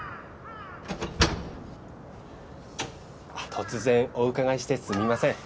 突然お伺いしてすみません